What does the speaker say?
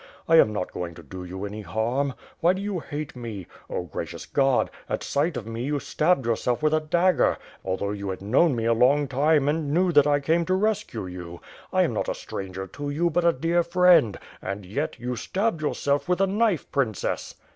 I am not going to do you any harm. WTiy do you hate me? Oh, gracious God! At sight of me, you stabbed yourself with a dagger, although you had known me a long time and knew that I came to rescue you. I am not a stranger to you, but a dear friend; and, yet, you stabbed yourself with a knife. Princess!"